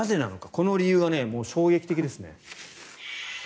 この理由は衝撃的ですね。